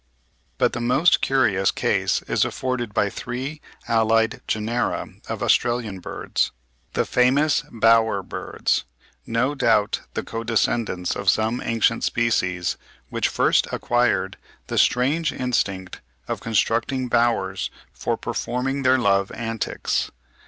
] But the most curious case is afforded by three allied genera of Australian birds, the famous Bower birds,—no doubt the co descendants of some ancient species which first acquired the strange instinct of constructing bowers for performing their love antics.